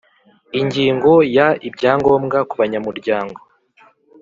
Ingingo ya Ibyangombwa kubanyamuryango